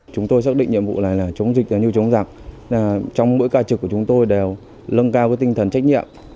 chúng tôi xác định nhiệm vụ này là chống dịch như chống giặc trong mỗi ca trực của chúng tôi đều lân cao với tinh thần trách nhiệm